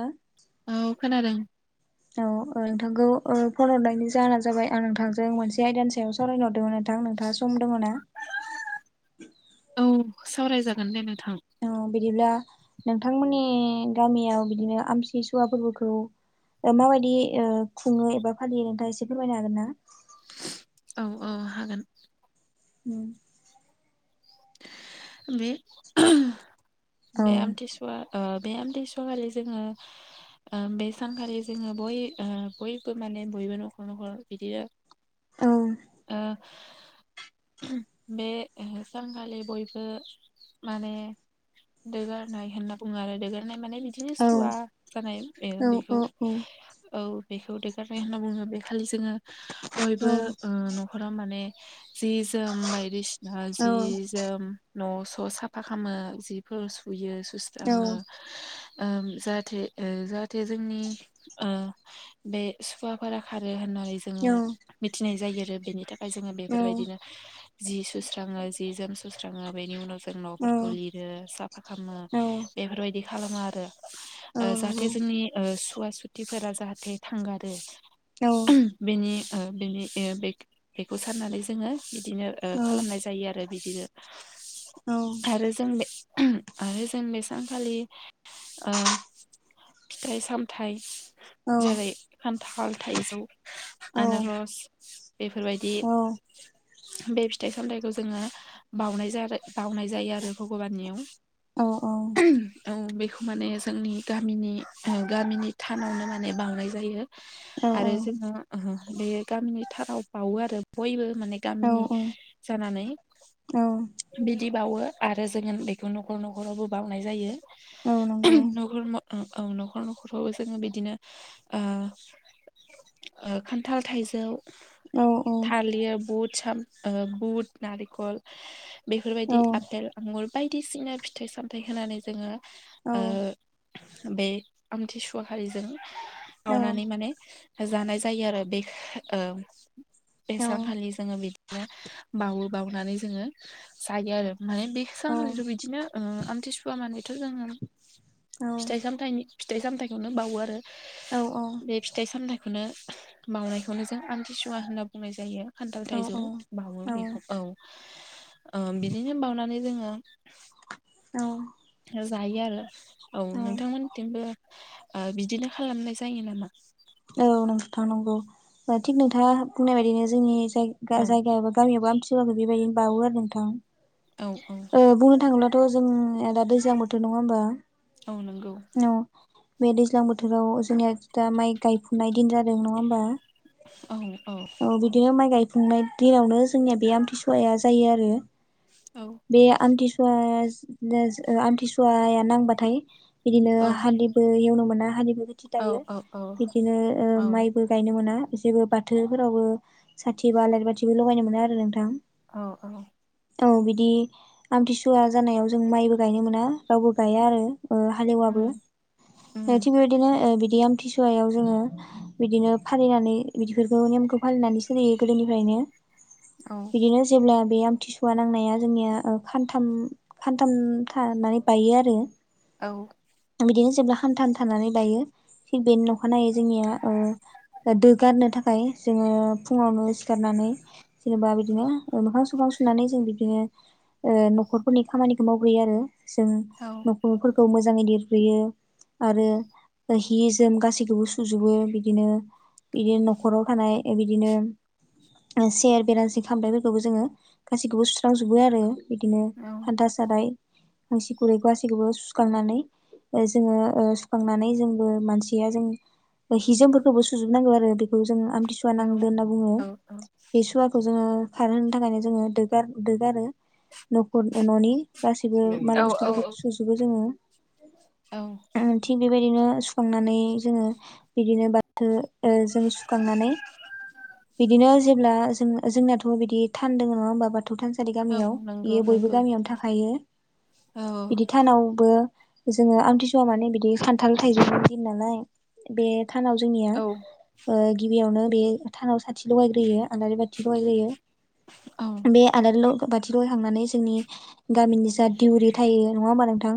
औ [inaudible] औ खोनादों औ औ दे। नोंथांखौ ओ फन हरनायनि जाहोना जाबाय आं नोंथांजों मोनसे आयदानि सायाव सावरायनो हरदोंमोन। नोंथां नोंथाङा सम दङ ना? [inaudible] सावराय जागोन देे नोंथां। अह बिदिब्ला नोंथांमोननि गामियाव बिदिनो आमथिसुवा फोरबोखौ ओ माबायदि ओ खुङो एबा फालियो नोंथाङा एसे फोरमायनो हागोन ना। औ औ हागोन। उम। [inaudible] बे औ ओहोम बे आमथि सुवा ओ बे आमथि सुवाखालि जोङो ओ बे सानखालि जोङो ओ बय-ओ-बयबो माने बयबो न'खर न'खर बिदिनो औ [inaudible] आ [inaudible] बे ओ सानखालि बयबो माने दोगारनाय होनना बुङो आरो दोगारनाय माने बिदिनो औ सुवा जानाय औ बेखौ औ बेखौ देगारनाय होनना बुङो बे खालि जोङो औ बयबो ओ न'खराव माने जि-जोम बायदिसिना जि-जोम न' ज' साफा खालामो जिफोर सुयो औ सुस्राङो। ओम जाहाथे ओ जाहाथे जोंनि ओ बे सुवाफोरा खारो होननानै जोङो मिथिनाय जायो आरो बेनि थाखाय जोङो औ बेफोरबायदिनो जि सुस्राङो। जि-जोम सुस्राङो बेनि उनाव जों न'फोरखौ लिरो साफा खालामो औ नंगौ बेफोरबायदि खालामो आरो जाहाथे जोंनि ओ सुवा सुथिफोरा जाहाथे थांगारो। बेनि ओ बेनि ओ बेखौ साननानै जोङो बिदिनो ओ खालामनाय जायो आरो बिदिनो आरो जों बे आरो जों बे सानखालि ओ फिथाइ-सामथाइ औ जेरै खान्थाल, थाइजौ, आनारस बेफोरबायदि बे फिथाइ-सामथाइखौ जोङो बाउनाय जादो बाउनाय जायो आरो भगबाननियाव ओहोम औ बेखौ। माने जोंनि गामिनि गामिनि थानावनो माने बाउनाय जायो। औ आरो जोङो बे गामिनि थानाव बाउवो आरो बयबो। माने औ गामिनि औ जानानै औ बि बिदि बाउवो आरो जोङ बेखौ न'खर न'खरावबो बावनाय जायो। औ नंगौ। औं न'खर न'खरखौबो जोङो बिदिनो ओ ओ खान्थाल, थाइजौ औ औ। सा बुट नारिखल औ बेफोरबायदि आफेल आंगुर बायदिसिना फिथाइ सामथाइ होनानै जोङो औ ओ बे आमथिसुवा हारिजों औ बावनानै माने जानाय जायो आरो बे औ बे सानखालि जोङो बिदिनो बावो। बावनानै जोङो जायो आरो माने बे औ सानखालिथ' बिदिनो ओ आमथिसुवा मानेथ' जोङो। फिथाइ सामथाइनि फिथाइ सामथायाइखौनो बावो आरो औ बे फिथाइ सामथाइ खौनो बावनायखौनो जों आमथिसुवा होनना बुंनाय जायो। खान्थाल थाइजौ बावो औ बेखौ औ ओ बिदिनो बावनानै जोङो जायो आरो औ नोंथांमोनथिंबो ओ बिदिनो खालामनाय जायो नामा? औ नोंथां नंगौ ओ थिग नोंथाङा बुंनाय बायदिनो जोंनि जाय औ गाजा एबा गामियाबो आमथिसुवाखो बेबायदिनो बावो आरो नोंथां औ औ ओ बुंनो थाङोब्ला थ' जों आरो दा दैज्लां बोथोर नङा होमबा? औ नंगौ। औ बे दैज्लां बोथोराव जोंनिया दा माइ गायफुनाय दिन जादों नङा होमबा? औ बिदिनो माइ गायफुंनाय दिनावनो जोंनिया बे आमथिसुवाया जायो आरो। औ बे आमथिसुवा जा ओ आमथिसुवाया नांबाथाय बिदिनो औ हान्दिबो एवनो मोना हालिबो मिथि दायो औ बिब्दिनो ओ औ माइबो गायनो मोना जेबो बा थोफोरावबो साथि बा आलारि बाथिबो लगायनो मोना आरो नोंथां। औ औ। औ बिदि आमथिसुवा जानायाव जों माइबो गायनो मोना रावबो गाया आरो। ओ हालएवाबो उम उम ओ थिग बेबायदिनो बिदि ओ बि आमथिसुवायाव जोङो बिदिनो फालिनानै बिदि बेफोरखौ नेमखौ फालिनानै सोलियो गोदोनिफ्रायनो औ बिदिनो जेब्ला बे आम थिसुवा नांनाया जोंनिया ओ खानथाम खानथाम थानानै बायो आरो। औ। बिदिनो जेब्ला खान्थाम थानानै बायो थिग बेनि अखानायै जोंनिया ओ दोगारनो था खाय जोङो फुङावनो सिखारनानै जेनेबा बिदिनो ओ मोखां सोखां सुनानै जों बिदिनो ओ न'खरफोरनि खामानिखौ मावग्रोयो आरो जों औ न'खरफोरखौ मोजाङै लिरग्रोयो। आरो ओ हि जोम गासैखौबो सुजोबो बिदिनो इदिनो न' खराव थानाय बिदिनो सेयार बेरासि खामफ्लायफोरखौबो जोङो गाैखौबो सुस्रांजोबो आरो। बिदिनो औ हान्था साराय खांसि खुरै गासैखौबो सुखांनानै ओ जोङो ओ सुखांनानै जोंबो मानसिया जों हि जोमफोरखौबो सुजोबनांगौ आरो। बेखौ जों आमथिसुवा औ नांदो होनना बुङो औ औ बे सुवाखौ जोङो खारहो थाखायनो जोङो दो गार दो गारो न'खर न'नि गासैबो माल बुस्थुफोरखौ सुजोबो जोङो। औ। बेदिनो सुखांनानै जोङो बिदिनो बाथो ओ जों सु खांनानै बिदिनो जेब्ला जों जोंनियाथ' बिदि थान दोङो नङा होमबा बाथौ थानसा लि गामियाव नंगौ बेयो बयबो नंगौ गामियावनो थाखायो औ बिदि थानावबो जोङो आमथिसुवा माने बिदि खान्थाल थाइजौदि दिन नालाय बे थानाव जोंनिया औ ओ गिबियावनो बे थानाव साथि लगायग्रोयो। आलारि बाथि लगायग्रोयो औ बे आलारि ल बाथि लगायखांनानै जोंनि गामिनि जा दिउरि थायो नङा होमबा नोंथां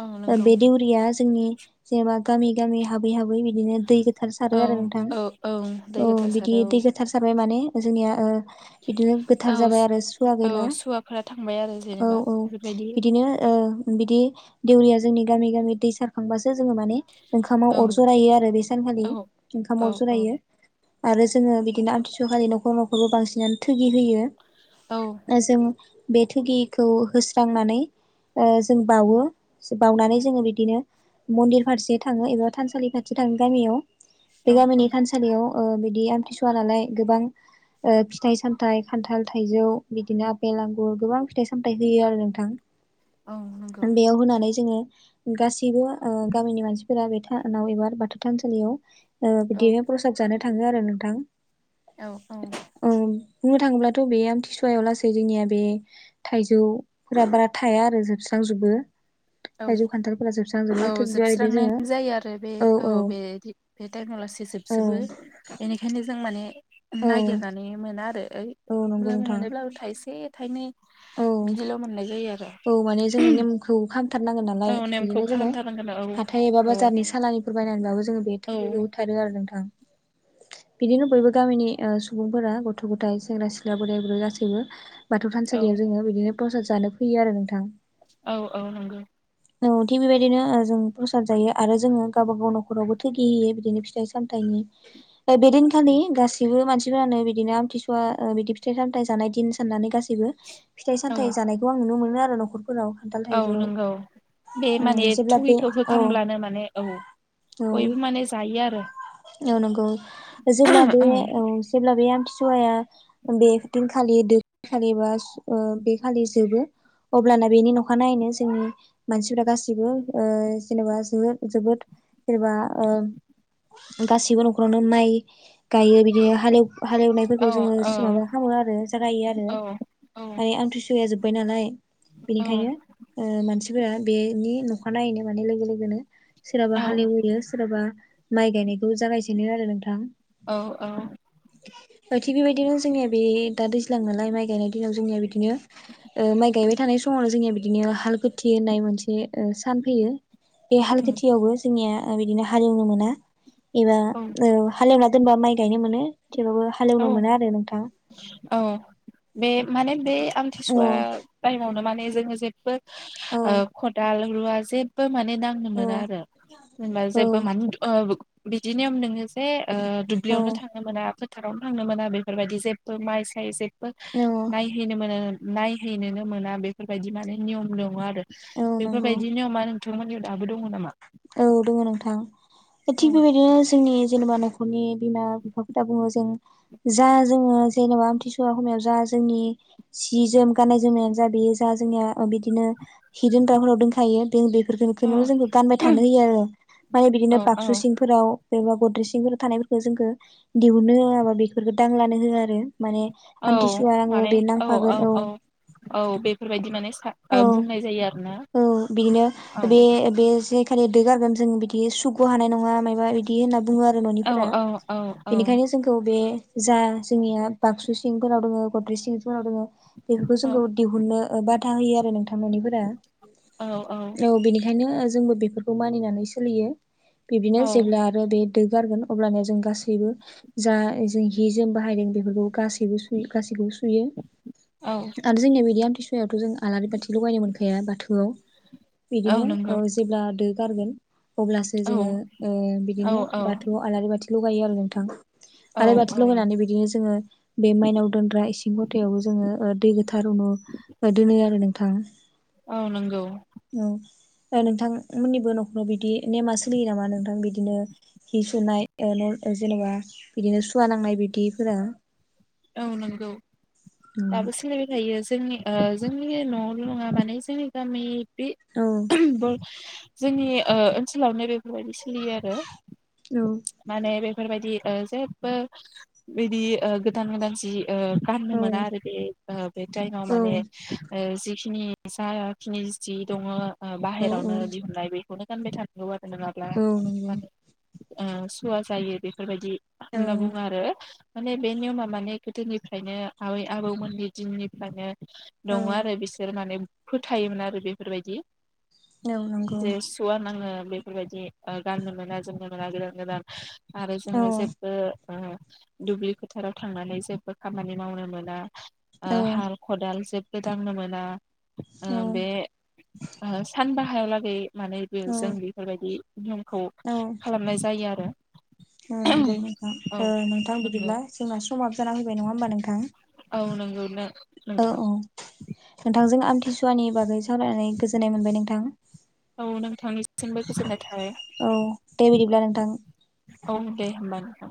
औ नंगौ बे दिउरिया जोंनि जेनेबा गामि गामि हाबै हाबै बिदिनो दै गोथार औ सारो आरो नोंथां। औ औ दै औ बिदि गोथारसारो दै गोथार सारबाय माने जोंनिया ओ बिदिनो गोथार औ जाबाय आरो सुवा औ गैला सुवाफोरा थांबाय आरो औ जेनेबा औ बेफोरबायदि बिदिनो ओ बिदि दौरिया जोंनि गामि गामि दै सारखांबासो जोङो माने ओंखामाव औ अर जरायो आरो बे सानखालि औ ओंखाम औ अर औ जरायो। आरो जोङो बिदिनो आमथिसुखालि न'खर न'खरबो बांसिनानो थोगि होयो। औ ओ जों बे थोगिखौ होस्रांनानै ओ जों बावो बावनानै जोङो बिब्दिनो मन्दिर फारसे थाङो एबा थानसालि फारसे थाङो गामियाव। औ औ। इयाव ओ बिदि आमथिसुवा नालाय गोबां ओ फिथाइ सामथाइ खान्थाल, थाइजौ, बिदिनो आपेल, आंगुर गोबां फिथाइ-सामथाइ होयो आरो नोंथां। औ नंगौ बेयाव होनानै जोङो गासैबो ओ गामिनि मानसिफोरा बे थानाव एबा बाथौ थानसालियाव ओ औ बिदिनो प्रसाद जानो थाङो आरो नोंथां। औ औ। ओ बुंनो थाङोब्लाथ' बे आमथिसुवायाव लासै जोंनिया बे थाइजौफोरा बारा थाया आरो जोबस्रा जोबो। औ औ बेबायदिनो जोङो जोबस्रांनायानो जायो आरो बे औ बे बे टाइमाव लासै जोब औ जोबो इनिखायनो जों माने औ नायगिरनानै मोना आरो। ओ औ नंगौ अब्लाबो नोंथां मोनोब्लाबो थाइसे थाइनै औ बिदिल' मोननाय जायो आरो औ माने जोङो नेमखौ खाम थारनांगोन नालाय औ नेमखौ बिदिनो जोङो खालामथारनांगोन हाथाइ एबा औ बाजारनि सालानिफोर बायनानैबाबो जोङो बे औ थोगिखौ होथारो आरो नोंथां। [inaudible] बिदिनो बयबो गामिनि ओ सुबुंफोरा गथ'-गथाय, सेंग्रा-सिख्ला, बोराय-बुरै गासैबो बाथ औ सालियाव जोङो बिदिनो प्रसाद जानो फैयो आरो नोंथां। औ औ नंगौ। अ थिग बेबायदिनो ओ जों प्रसाद जायो आरो जोङो गावबा गाव न'खरावबो थोगि होयो बिदिनो फिथाइ-सामथाइनि। ओ बेदिनखालि गासिबो मानसिफोरानो बिदिनो आमथिसुवा ओ बिदि फिथाइ-सामथाइ जानाय दिन साननानै गासैबो औ फिथाइ-सामथाइ जानायखौ आं नुनो मोनो आरो न'खरफोराव खान्थाल, औ थाइजौ नंगौ बे उम माने जेब्ला बे थगिखौ औ होखांब्लानो माने औ औ बयबो माने जायो आरो। औ नंगौ जेब्ला बे औ जेब्ला बे आमथि सवाया बेदिनखालि दो खालि बा ओ बे खालि जोबो। अब्लाना बेनि नखानायैनो जोंनि मानसिफ्रा गासिबो ओ जेनेबा जोद जोबोद जेनेबा ओम गासिबो न'खरावनो माइ गायो बिदि हालेव हालेवनायफोरखौ औ जोङो औ माबा खालामो आरो जागायो आरो। औ माने औ आमथि सुवाया जोब्बाय नालाय औ बेनिखायनो ओ मानसि जाया बेनि नखा नायैनो माने लोगो लोगोनो सोराबा औ हालेवयो सोराबा माइ गायनायखौ जागायजेनो आरो नोंथां। ओ थिग बेबायदिनो जोंनिया बे दा दैज्लां नालाय माइ गायनाय दिनाव जोंनिया बिदिनो ओ माइ गायबाय थानाय स समआवनो जोंनिया बिदिनो हाल गो थि होननाय मोनसे ओ सान फैयो बे हाल खेथियावबो जोंनिया ओ बिदिनो हालेवनो मोना एबा औ ओ हालेवना दोनबा माइ गायनो मोनो। थेवबाबो हालेवनो औ मोना आरो नोंथां। औ बे माने बे औ आमथिसुवा टाइमावनो माने जों जेब्बो औ ओ खदाल, रुवा जेब्बो माने दांनो औ मोना आरो जेनबा जेब्बो मान औ अ बिदि नियाम दोङो जे ओ दुब्लियावनो औ थांनो मोना फोथारावनो थांनो मोना बेफोरबायदि जेब्बो माइ साय जेब बो औ नायहैनो मोनो नायहैनोनो मोना बेफोरबायदि माने नियम दङ आरो। औ नंगौ बेफोरबायदि नियमा नोंथांमोननियाव दाबो दङ नामा? औ दङ नोंथां औ थिग बेबायदिनो जोंनि जेनेबा न' खरनि बिमा बिफाफोरा बुङो जों जा जोङो जेनेबा आमथिसुवा हमायाव जा जोंनि सि जोम गाननाय जोमनायानो जा बेयो जा जोंनिया ओ बिदिनो हि दोनग्राफोराव दोनखायो जों बेफ औ फोरखोनो जोंखौ गानबाय थानो होयो आरो माने औ बिदिनो औ बाक्सु सिंफोराव एबा गद्रिससिंफोर थानायफोरखो जोंखो दिहुननो होयाबा बेफोरफोरखो दांलानो होया आरो। माने औ आमथिसुवा नाङो माने बे औ औ नांफागोन औ औ बेफोरबायदि माने फा ओ औ बुंनाय जायो आ औ बिदिनो बे बे जेग खालि दो गारगोन जों बिदि सुग' हानाय नङा मायबा बिदि हि होनना बुङो आरो औ न'निफोरा। औ औ औ बेनिखायनो जोंखौ बे जा जोंनिया बाक्सु सिंफोराव दङो गद्रि सिंफोराव दङो बेफोरखौ औ जोंखौ दिहुननो बाधा होयो आरो नोंथां न'निफोरा। औ औ। बेखायनो जोंबो बेफोरखौ मानिनानै सोलियो। बिदिनो औ जेब्ला आरो बे दो गारगोन अब्लाना जों गासैबो जा जों हि जों बाहायदों बेफोरखौ गासैबो सुयो गासैबो सु सुयो औ आरो जोंनिया बेदि आमथिसुवायावथ' जों आलारि बाथि लगायनो मोनखाया बाथौआव। बिदिनो औ जेब्ला दो गारगोन अब्लासो औ जोङो ओ औ बिदिनो औ बाथौ आलारि बाथि ल'गायो आरो नोंथां। औ आलारि बाथि लगायनानै बिदिनो जोङो बे मायनाव दोनग्रा इसिं खथायावबो जोङो दै गोथार रुनु दोनो आरो नों थां। औ नंगौ। ओ नोंथांमोननिबो न'खराव बिदि नेमा सोलियो नामा नोंथां बिदिनो हि सुनाय ओ न' जेनेबा बिदिनो सुवा नांनाय बिदिफोरा। औ नंगौ। औ दाबो सोलिबाय थायो जोंनि ओ जोंनि न'नवावल' नङा माने जोंनि गामि बे औ जोंनि ओ ओनसोलावनो बेफोरबायदि सोलियो आरो माने बेफोरबायदि ओ जेबो बिदि ओ गोदान गोदान जि ओ गाननो औ मोना आरो बे बे टाइमाव माने जि खिनि जाखिनि जि दङो औ बाहेरावनो दिहुननाय बेखौनो गानबाय थानांगौ आरो। नोङाब्ला मा नंगौ होनो ओ सुवा जायो बेफोरबायदि औ होनना बुङो आरो माने बे नियमा माने गोदोनिफ्रायनो आबै आबौमोननि दिननिफ्रायनो दङो आरो बिसोर माने फोथायोमोन आरो बेफोरबायदि। औ नंगौ जे सुवा नाङो बेफोरबायदि ओ गाननो मोना जोमनो मोना गोदान गोदान आरो जोङो औ जेबो ओ दुब्लि फोथाराव थांनानै जेबो खामानि मावनो मोना। औ ओ हाल खदाल जेबो दांनो मोना। ओ औ बे ओ सानबाहायालागै माने बे जों औ बेफोरबायदि नियमखौ औ खालामनाय जायो आरो। औ नंगौ नोंथां। औ ओ नोंथां नंगौ बिदिब्ला जोंना समाबो जाना फैबाय नङा होमबा नोंथां? औ नोंगौ नो औ औ नोंथांजों आमथिसुवानि बागै सावरायनानै गोजोननाय मोनबाय नोंथां। औ नोंथांनिसिमबो गोजोन्नाय थाबाय। औ दे बिदिब्ला नोंथां औ दे होमबा नोंथां।